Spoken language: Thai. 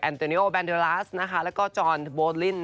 แอนโตเนียลแบนเดอราสและก็จอร์นโบลิน